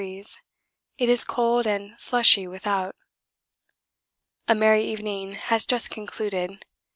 It is cold and slushy without. A merry evening has just concluded.